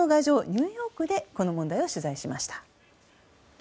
ニューヨークでこの問題を取材しました。